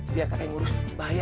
biar kakak yang ngurus bahaya